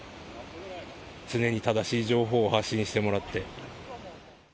常に正しい情報を発信してもらって。